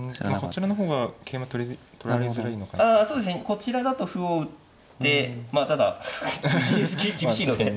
こちらだと歩を打ってまあただ厳しいので。